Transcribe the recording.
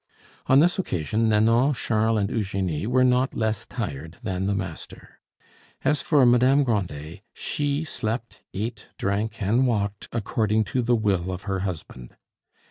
On this occasion Nanon, Charles, and Eugenie were not less tired than the master. As for Madame Grandet, she slept, ate, drank, and walked according to the will of her husband.